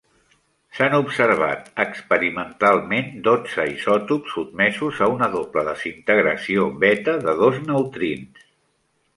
S'han observat experimentalment dotze isòtops sotmesos a una doble desintegració beta de dos neutrins.